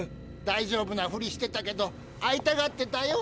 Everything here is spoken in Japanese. だいじょうぶなふりしてたけど会いたがってたよ